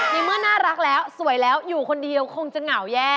ในเมื่อน่ารักแล้วสวยแล้วอยู่คนเดียวคงจะเหงาแย่